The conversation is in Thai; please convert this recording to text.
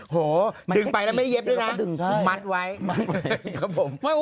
โหดึงไปแล้วไม่ได้เย็บด้วยนะมัดไว้